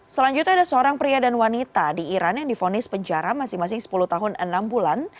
selanjutnya ada seorang pria dan wanita di iran yang difonis penjara masing masing sepuluh tahun enam bulan